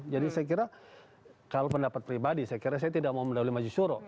jadi saya kira kalau pendapat pribadi saya kira saya tidak mau mendahului maju suro